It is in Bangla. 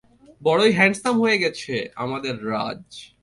বড়ই হ্যাঁন্ডসাম হয়ে গেছে আমাদের রাজ।